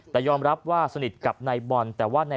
แต่ยอมรับว่าสนิทกับนายบอล